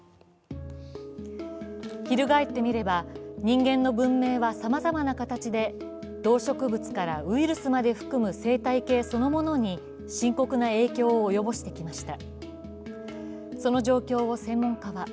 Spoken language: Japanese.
ひるがえってみれば、人間の文明はさまざまな形で動植物からウイルスまで含む生態系そのものに深刻な影響を及ぼしてきました。